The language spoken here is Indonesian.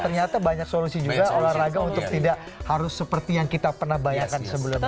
ternyata banyak solusi juga olahraga untuk tidak harus seperti yang kita pernah bayangkan sebelumnya